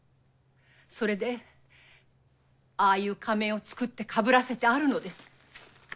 それでああいう仮面を作ってかぶらせてあるのです。